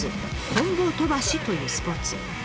「棍棒飛ばし」というスポーツ。